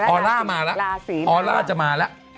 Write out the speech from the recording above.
ออล่ามาละออล่าจะมาละ